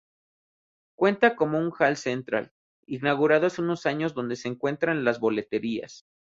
Cuenta con un hall central, inaugurado hace unos años donde se encuentran las boleterías.